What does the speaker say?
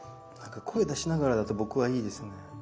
なんか声出しながらだと僕はいいですね。